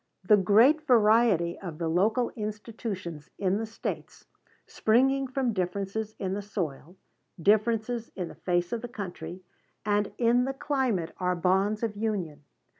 The great variety of the local institutions in the States, springing from differences in the soil, differences in the face of the country, and in the climate, are bonds of union.